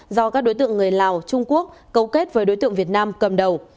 do các đối tượng người lào trung quốc cấu kết với đối tượng việt nam cầm đầu